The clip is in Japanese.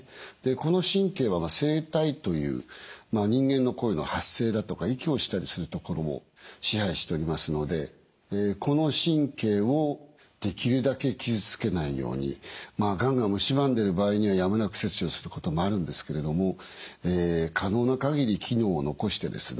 この神経は声帯という人間の声の発声だとか息をしたりする所を支配しておりますのでこの神経をできるだけ傷つけないようにがんがむしばんでいる場合にはやむなく切除することもあるんですけれども可能な限り機能を残してですね